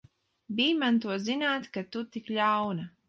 Bij man to zināt, ka tu tik ļauna!